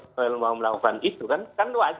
noel mau melakukan itu kan kan